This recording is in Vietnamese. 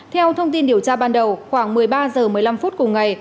theo thông tin điều tra ban đầu khoảng một mươi ba h một mươi năm phút cùng ngày